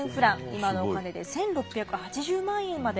今のお金で１，６８０万円まで上がりました。